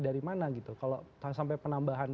dari mana gitu kalau sampai penambahan